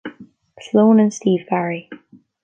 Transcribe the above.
Sloan and Steve Barri.